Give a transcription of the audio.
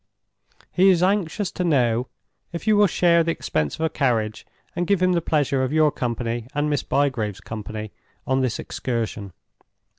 He is anxious to know if you will share the expense of a carriage, and give him the pleasure of your company and Miss Bygrave's company on this excursion.